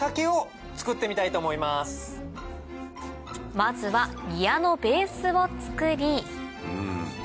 まずはギヤのベースを作り